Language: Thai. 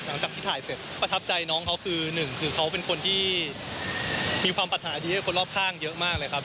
หลังจากที่ถ่ายเสร็จประทับใจน้องเขาคือหนึ่งคือเขาเป็นคนที่มีความปัญหาดีให้คนรอบข้างเยอะมากเลยครับ